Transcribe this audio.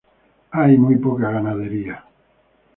Hay muy poca ganadería.